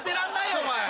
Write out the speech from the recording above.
お前。